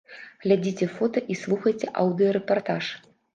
Глядзіце фота і слухайце аўдыё-рэпартаж.